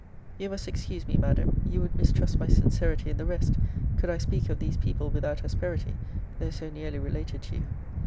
You must excuse me, Madam: you would mistrust my sincerity in the rest, could I speak of these people without asperity, though so nearly related to you.